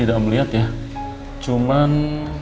aku mau ke rumah